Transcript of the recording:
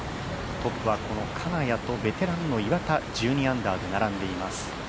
トップはこの金谷とベテランの岩田１２アンダーで並んでいます。